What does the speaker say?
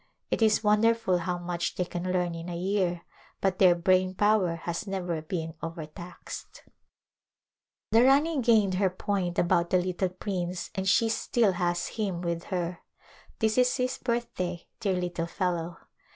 It is wonderful how much they can learn in a year, but their brain power has never been overtaxed. A Glimpse of India The Rani gained her point about the little prince and she still has him with her. This is his birthday, dear little fellow.